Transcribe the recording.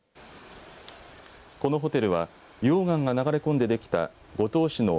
このホテルは溶岩が流れ込んでできた五島市の鐙瀬